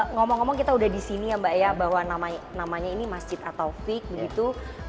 ngomong ngomong kita udah di sini ya mbak ya bahwa namanya ini masjid atau fik begitu